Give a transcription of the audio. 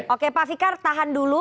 oke pak fikar tahan dulu